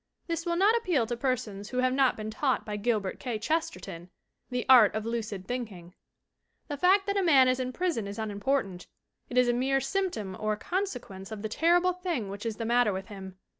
This will not appeal to persons who have not been taught by Gilbert K. Chesterton the art of lucid think ing. The fact that a man is in prison is unimportant ; it is a mere symptom or consequence of the terrible thing which is the matter with him.